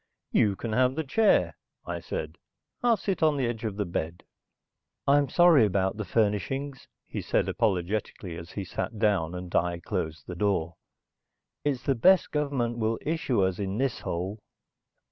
"You can have the chair," I said. "I'll sit on the edge of the bed." "I'm sorry about the furnishings," he said apologetically as he sat down and I closed the door. "It's the best government will issue us in this hole."